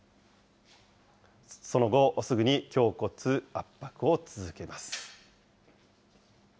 その後、すぐに胸骨圧迫を続けます。